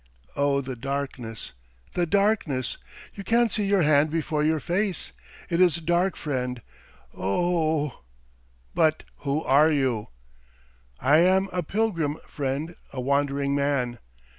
Oh the darkness, the darkness! You can't see your hand before your face, it is dark, friend. O o oh. .." "But who are you?" "I am a pilgrim, friend, a wandering man."